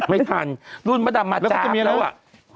ไม่ทันรุ่นมะดัมมาจา๊บแล้วอะ